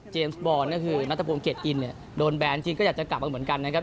จนนัสทะพูมเกรดอินเนี่ยโดนแบนอันนี้ก็อยากจะกลับมาเหมือนกันนะครับ